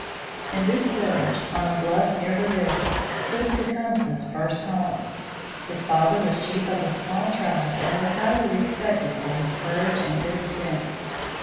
In this village, on a bluff near the river, stood Tecumseh's first home. His father was chief of a small tribe and was highly respected for his courage and good sense.